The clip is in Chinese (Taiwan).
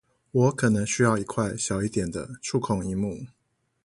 我可能需要一塊小一點的觸控螢幕